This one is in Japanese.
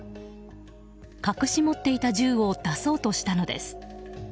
隠し持っていた銃を出そうとしたのです。